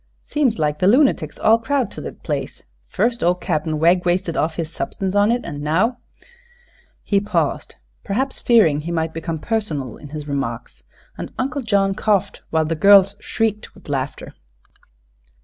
Seems like the lunatics all crowd to thet place fust ol' Cap'n Wegg wasted of his substance on it, an' now " He paused, perhaps fearing he might become personal in his remarks, and Uncle John coughed while the girls shrieked with laughter.